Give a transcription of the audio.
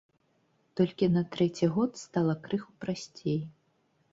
Толькі на трэці год стала крыху прасцей.